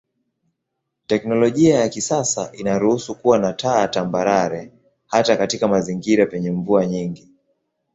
Teknolojia ya kisasa inaruhusu kuwa na taa tambarare hata katika mazingira penye mvua nyingi.